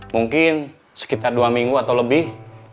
mungkin sekitar dua minggu atau lebih